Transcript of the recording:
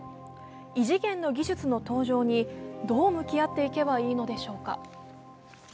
異次元の技術の登場に、どう向き合っていけばいいのでしょうか。